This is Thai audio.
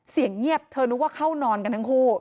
เสียงเงียบเธอนึกว่าเข้านอนกันทั้งคู่